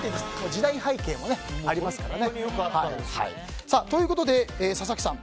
時代背景もありますからね。ということで、佐々木さん。